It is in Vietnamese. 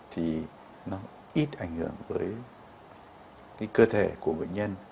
thì nó ít ảnh hưởng với cơ thể của bệnh nhân